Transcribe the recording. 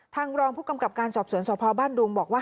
รองผู้กำกับการสอบสวนสพบ้านดุงบอกว่า